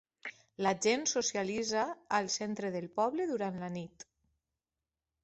La gent socialitza al centre del poble durant la nit